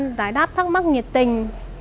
phải đáp thắc mắc nhiệt tình